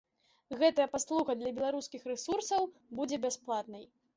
Гэтая паслуга для беларускіх рэсурсаў будзе бясплатнай.